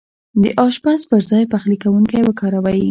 د اشپز پر ځاي پخلی کونکی وکاروئ